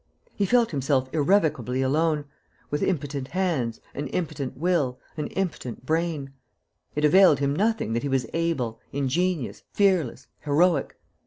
He felt himself irrevocably alone, with impotent hands, an impotent will, an impotent brain. It availed him nothing that he was able, ingenious, fearless, heroic.